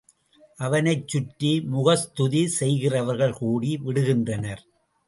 அவனைச் சுற்றி முகஸ்துதி செய்கிறவர்கள் கூடி விடுகின்றனர்.